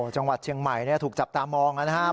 จังหวัดเชียงใหม่ถูกจับตามองนะครับ